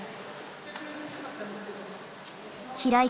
平井